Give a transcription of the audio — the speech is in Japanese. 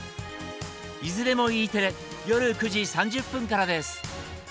いずれもＥテレ夜９時３０分からです。